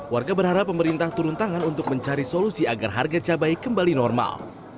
warga berharap pemerintah turun tangan untuk mencari solusi agar harga cabai kembali normal